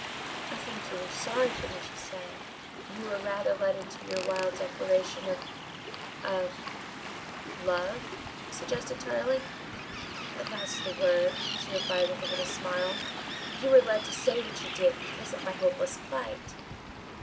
"I think you were sorry for me," she said, "and you were rather led into your wild declaration of of " "Love?" suggested Tarling. "That's the word," she replied with a little smile. "You were led to say what you did because of my hopeless plight."